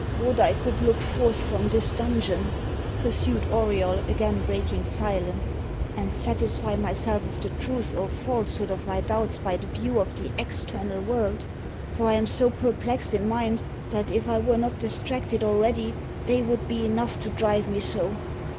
"Would I could look forth from this dungeon," pursued Auriol, again breaking silence, "and satisfy myself of the truth or falsehood of my doubts by a view of the external world, for I am so perplexed in mind, that if I were not distracted already, they would be enough to drive me so.